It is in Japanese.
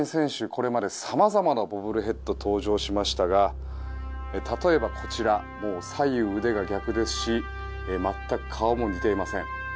これまでさまざまなボブルヘッドが登場しましたが例えば、こちら左右、腕が逆ですし全く顔も似ていません。